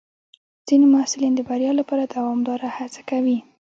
ځینې محصلین د بریا لپاره دوامداره هڅه کوي.